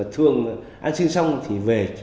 thường ăn xin xong thì về